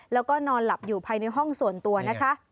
แล้วก็นอนหลับอยู่ภายในห้องส่วนตัวนะคะ